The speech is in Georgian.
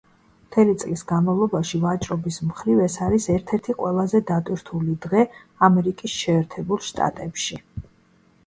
მთელი წლის განმავლობაში, ვაჭრობის მხრივ, ეს არის ერთ-ერთი ყველაზე დატვირთული დღე ამერიკის შეერთებულ შტატებში.